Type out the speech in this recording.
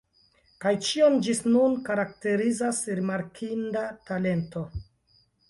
Kaj ĉion, ĝis nun, karakterizas rimarkinda talento.